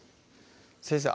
先生